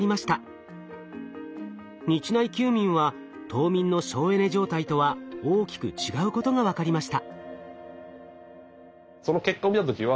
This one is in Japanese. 日内休眠は冬眠の省エネ状態とは大きく違うことが分かりました。